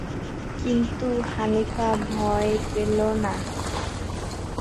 কিন্তু হানিফা ভয় পেল না।